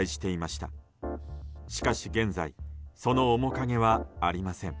しかし現在その面影はありません。